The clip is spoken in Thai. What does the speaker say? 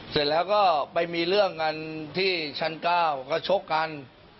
เสร็จแล้วก็ไปมีเรื่องกันที่ชั้น๙ก็ชกกัน